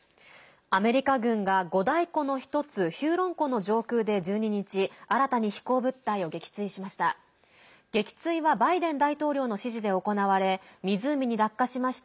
アメリカ軍が五大湖の１つヒューロン湖の上空で１２日、新たに飛行物体を撃墜しました。